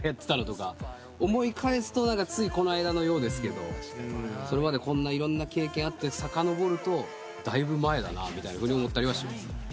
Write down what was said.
思い返すとついこないだのようですけどそれまでこんないろんな経験あってさかのぼるとだいぶ前だなと思ったりはします。